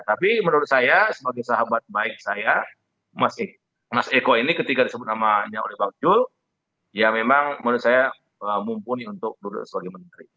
tapi menurut saya sebagai sahabat baik saya mas eko ini ketika disebut namanya oleh bang jul ya memang menurut saya mumpuni untuk duduk sebagai menteri